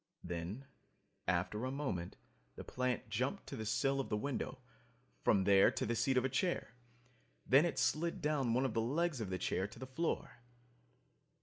Then, after a moment, the plant jumped to the sill of the window, from there to the seat of a chair. Then it slid down one of the legs of the chair to the floor.